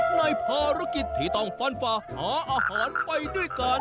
ในภารกิจที่ต้องฟันฟาหาอาหารไปด้วยกัน